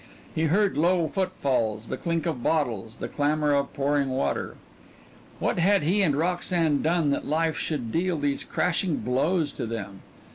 He heard low footfalls, the clink of bottles, the clamor of pouring water. What had he and Roxanne done that life should deal these crashing blows to them?